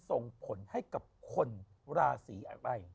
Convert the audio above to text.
ส่งผลให้กับคนราศีอะไร